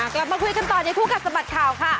กลับมาคุยกันต่อในคู่กัดสะบัดข่าวค่ะ